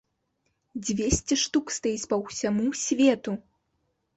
Дзвесце штук стаіць па ўсяму свету!